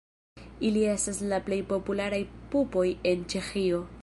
Ili estas la plej popularaj pupoj en Ĉeĥio.